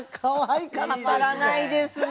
たまらないですね。